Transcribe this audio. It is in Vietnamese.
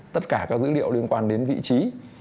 tất cả các dữ liệu liên quan đến vị trí